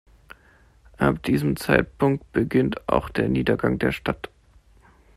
Ab diesem Zeitpunkt beginnt auch der Niedergang der Stadt.